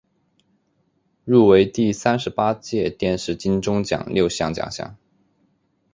入围第三十八届电视金钟奖六项奖项。